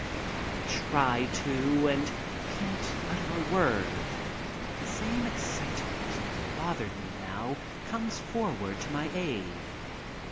I try to and can't utter a word, but the same excitement that had bothered me now comes forward to my aid.